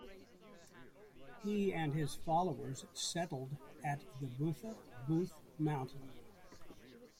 He and his followers settled at the Butha-Buthe Mountain.